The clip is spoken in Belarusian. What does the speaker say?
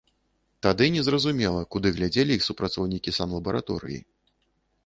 Тады не зразумела, куды глядзелі іх супрацоўнікі санлабараторыі.